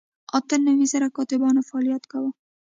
اته نوي زره کاتبانو فعالیت کاوه.